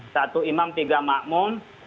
satu imam tiga makmum